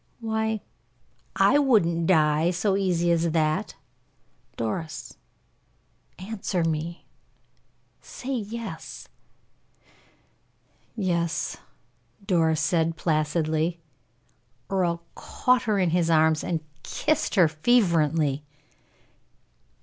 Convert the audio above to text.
"Why, I wouldn't die so easy as that." "Doris, answer me. Say yes." "Yes," said Doris, placidly. Earl caught her in his arms, and kissed her fervently.